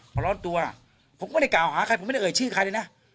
ร้อนตัวผมก็ไม่ได้กล่าวหาใครผมไม่ได้เอ่ยชื่อใครเลยนะ